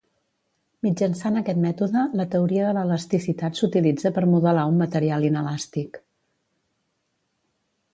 Mitjançant aquest mètode, la teoria de l'elasticitat s'utilitza per modelar un material inelàstic.